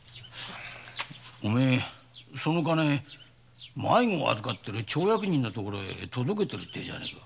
お前その金迷子を預かってる町役人のところへ届けてるっていうじゃねえか。